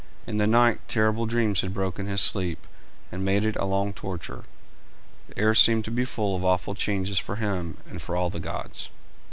In the night terrible dreams had broken his sleep, and made it a long torture. The air seemed to be full of awful changes for him and for all the gods.